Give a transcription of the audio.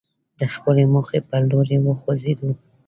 د خپلې موخې پر لوري وخوځېدو.